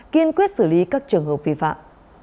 kiên quyết xử lý các trường hợp vi phạm